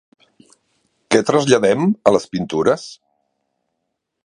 Què traslladem a les pintures?